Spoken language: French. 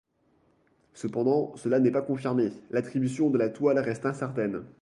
Cependant, cela n’est pas confirmé, l’attribution de la toile reste incertaine.